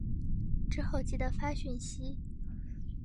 之后记得发讯息